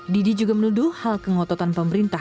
didi juga menuduh hal kengototan pemerintah